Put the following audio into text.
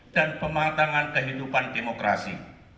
dan pematangan kehidupan demokrasi